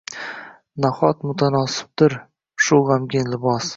Nahot munosibdir shu g’amgin libos.